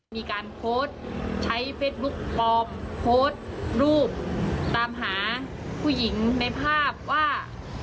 มีการโพสต์ใช้เฟซบุ๊กปลอมโพสต์รูปตามหาผู้หญิงในภาพว่า